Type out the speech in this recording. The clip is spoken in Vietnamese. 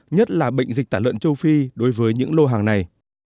nhất là bệnh dịch tả lợn châu phi đối với những lô hàng này